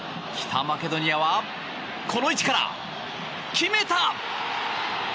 北マケドニアはこの位置から決めた！